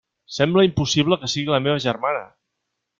Sembla impossible que siga la meua germana!